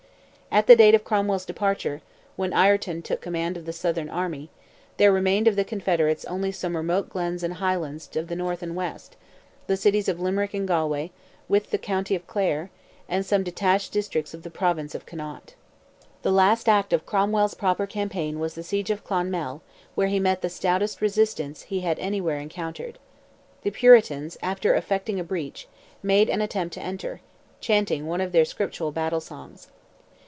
At the date of Cromwell's departure—when Ireton took command of the southern army—there remained to the Confederates only some remote glens and highlands of the North and West, the cities of Limerick and Galway, with the county of Clare, and some detached districts of the province of Connaught. The last act of Cromwell's proper campaign was the siege of Clonmel, where he met the stoutest resistance he had anywhere encountered. The Puritans, after effecting a breach, made an attempt to enter, chanting one of their scriptural battle songs.